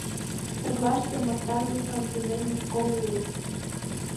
Чарлаште мастарлыклан тунемме школ уло.